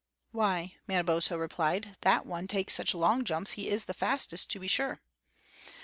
"Why," Manabozho replied, "that one that takes such long jumps, he is the fastest, to be sure!"